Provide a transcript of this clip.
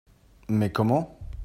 Mais comment ?